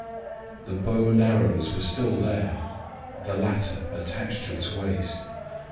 The bow and arrows were still there, the latter attached to its waist.